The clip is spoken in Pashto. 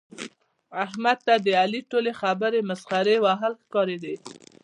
احمد ته د علي ټولې خبرې مسخرې وهل ښکاري.